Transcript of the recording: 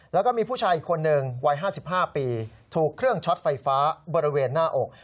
แล้วก็มีผู้ชายอีกคนหนึ่งวัย๕๕ปีถูกเครื่องช็อตไฟฟ้าบริเวณหน้าอก